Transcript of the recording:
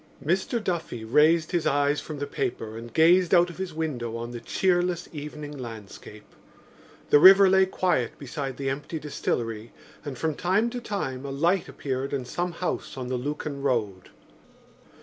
Mr Duffy raised his eyes from the paper and gazed out of his window on the cheerless evening landscape. The river lay quiet beside the empty distillery and from time to time a light appeared in some house on the Lucan road.